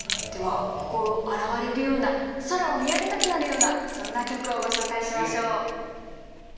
では心洗われるような空を見上げたくなるようなそんな曲をご紹介しましょう。